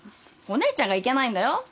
お姉ちゃんがいけないんだよ。